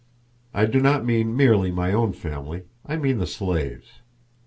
I do not mean merely my own family, I mean the slaves.